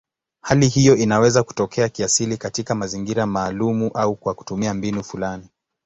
Hali hiyo inaweza kutokea kiasili katika mazingira maalumu au kwa kutumia mbinu fulani.